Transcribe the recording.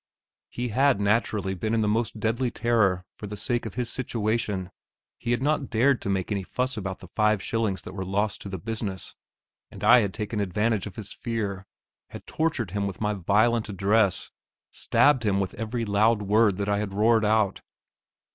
He had naturally been in the most deadly terror for the sake of his situation; he had not dared to make any fuss about the five shillings that were lost to the business, and I had taken advantage of his fear, had tortured him with my violent address, stabbed him with every loud word that I had roared out.